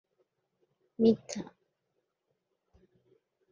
মোহাম্মদ মতিউর রহমান জন্মেছিলেন কিশোরগঞ্জ জেলার পাকুন্দিয়া উপজেলার হোসেন্দিতে।